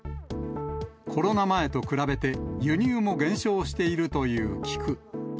コロナ前と比べて、輸入も減少しているという菊。